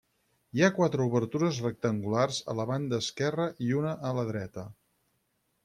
Hi ha quatre obertures rectangulars a la banda esquerra i una a la dreta.